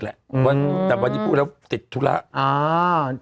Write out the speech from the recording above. แทบกี่ร้อยร้อยกว่าล้านน้องม